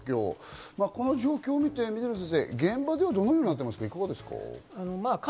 この状況を見て水野先生、現場ではどのようになっていますか？